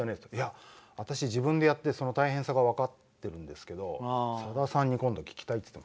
あれ、私も自分でやって大変さが分かってるんですけどさださんに今度聞きたいって。